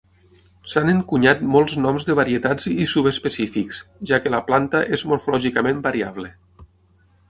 S'han encunyat molts noms de varietats i subespecífics, ja que la planta és morfològicament variable.